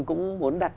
cũng muốn đặt